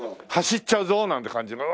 走っちゃうぞ！なんて感じ。